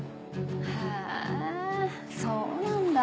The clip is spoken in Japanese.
へぇそうなんだ。